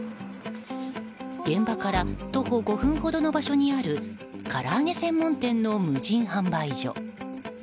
現場から徒歩５分ほどの場所にあるから揚げ専門店の無人販売所。